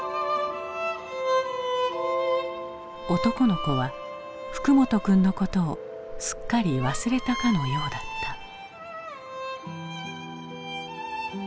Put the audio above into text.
男の子は福本君のことをすっかり忘れたかのようだった。